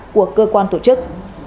của cơ quan tổ chức